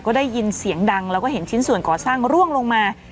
ก็ได้ยินเสียงดังแล้วก็เห็นชิ้นส่วนก่อสร้างร่วงลงมา